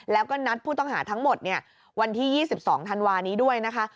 แล้วก็นัดผู้ต้องหาทั้งหมดวันที่๒๒ธันวานี้ด้วยนะคะ